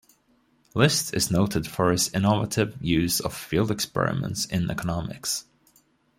List is noted for his innovative use of field experiments in economics.